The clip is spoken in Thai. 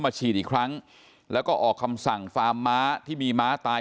ฉีดอีกครั้งแล้วก็ออกคำสั่งฟาร์มม้าที่มีม้าตาย